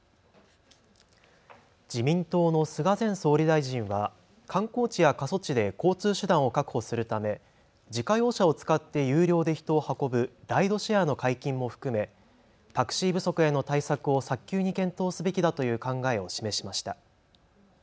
自民党の菅前総理大臣は観光地や過疎地域で交通手段を確保するため自家用車を使って有料で人を運ぶライドシェアの解禁も含めタクシー不足への対策を早急に検討すべきだという考えを示しました。